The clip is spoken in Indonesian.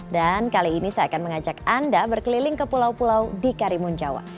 dan kali ini saya akan mengajak anda berkeliling ke pulau pulau di karimun jawa